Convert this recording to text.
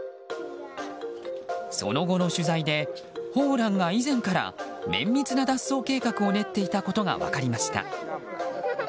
その後の取材でホウランが以前から綿密な脱走計画を練っていたことが分かりました。